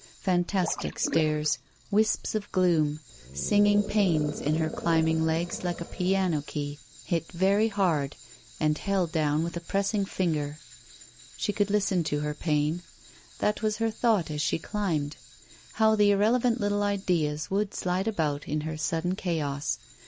Fantastic stairs. Wisps of gloom. Singing pains in her climbing legs like a piano key hit very hard and held down with a pressing forefinger. She could listen to her pain. That was her thought as she climbed. How the irrelevant little ideas would slide about in her sudden chaos.